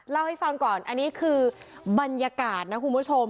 เล่าให้ฟังก่อนอันนี้คือบรรยากาศนะคุณผู้ชม